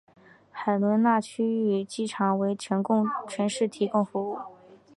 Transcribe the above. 海伦娜区域机场为城市提供服务。